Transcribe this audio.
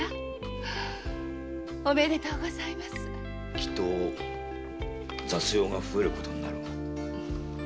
きっと雑用が増える事になる。